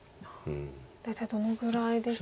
大体どのぐらいですか？